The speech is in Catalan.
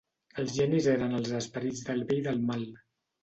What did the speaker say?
Els genis eren els esperits del bé i del mal.